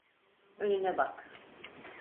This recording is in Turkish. Önüne bak!